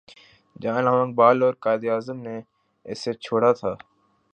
جہاں علامہ اقبال اور قائد اعظم نے اسے چھوڑا تھا۔